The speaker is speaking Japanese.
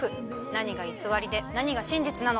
何が偽りで何が真実なのか。